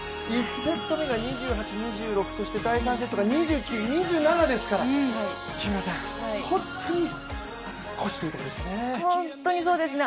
１セット目が２８−２６、そして第３セット目が２９、２７ですから、木村さん、あと少しというところでしたね。